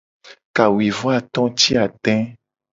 Kawuivoato ti ade.